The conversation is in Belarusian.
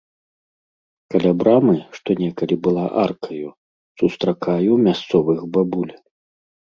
Каля брамы, што некалі была аркаю, сустракаю мясцовых бабуль.